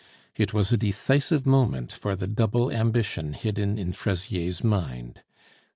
It was a decisive moment for the double ambition hidden in Fraisier's mind.